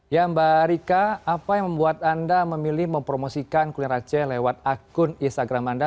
ya mbak rika apa yang membuat anda memilih mempromosikan kuliner aceh lewat akun instagram anda